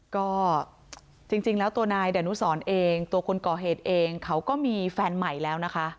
ก็จริงแล้วตัวนายดานุสรเองตัวคนก่อเหตุเองเขาก็มีแฟนใหม่แล้วนะคะ